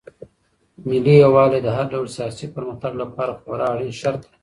ملي يووالی د هر ډول سياسي پرمختګ لپاره خورا اړين شرط دی.